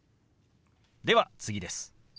では次です。